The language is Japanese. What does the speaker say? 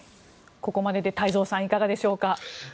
ここまでで太蔵さんいかがでしょうか。